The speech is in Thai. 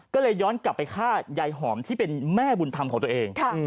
ก็เลยย้อนกลับไปฆ่ายายหอมที่เป็นแม่บุญธรรมของตัวเอง